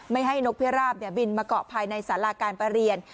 ไม่ให้นกพิราบบินมาเกาะภายในสาราการประเรียน